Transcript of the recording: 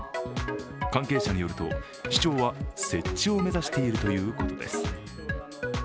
関係者によると、市長は設置を目指しているということです。